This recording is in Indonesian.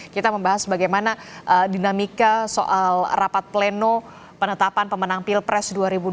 kita membahas bagaimana dinamika soal rapat pleno penetapan pemenang pilpres dua ribu dua puluh